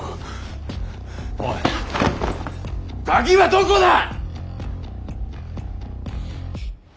おい鍵はどこだ！